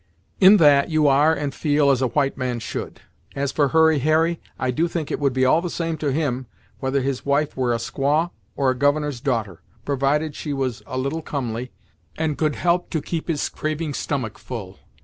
"In that you are and feel as a white man should! As for Hurry Harry, I do think it would be all the same to him whether his wife were a squaw or a governor's daughter, provided she was a little comely, and could help to keep his craving stomach full."